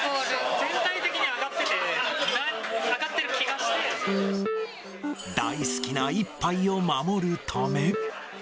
全体的に上がってて、上がっ大好きな一杯を守るため。